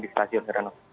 di stasiun pak reno